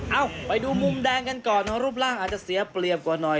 เอ้าไปดูมุมแดงกันก่อนรูปร่างอาจจะเสียเปรียบกว่าหน่อย